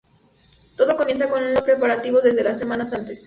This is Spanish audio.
Todo comienza con los preparativos desde semanas antes.